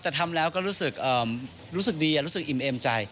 แต่ทำแล้วก็รู้สึกดีรู้สึกอิ่มเอ็มใจ